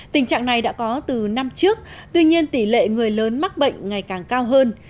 tình trạng này đã có từ năm trước tuy nhiên tỷ lệ người lớn mắc bệnh ngày càng cao hơn